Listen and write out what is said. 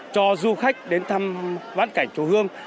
cho du khách đến thăm vãn cảnh chùa hương